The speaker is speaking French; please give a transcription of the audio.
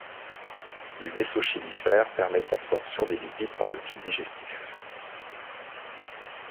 Les vaisseaux chylifères permettent l’absorption des lipides par le tube digestif.